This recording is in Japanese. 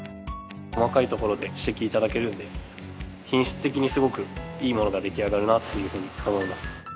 細かいところで指摘頂けるので品質的にすごくいいものが出来上がるなっていうふうに思います。